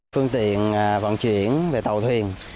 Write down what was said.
phương tiện vận chuyển về tàu thuyền